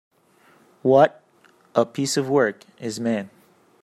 [What] a piece of work [is man]